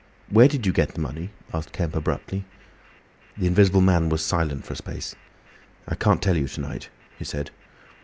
"Where did you get the money?" asked Kemp, abruptly. The Invisible Man was silent for a space. "I can't tell you to night," he said.